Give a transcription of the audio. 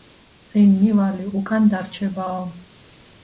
წინ მივალი უკანდარჩებაო